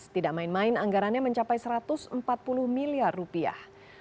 tidak main main anggarannya mencapai satu ratus empat puluh miliar rupiah